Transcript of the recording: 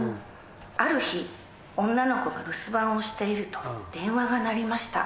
ある日女の子が留守番をしていると電話が鳴りました。